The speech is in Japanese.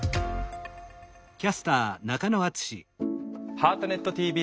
「ハートネットＴＶ